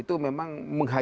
itu memang menghadapi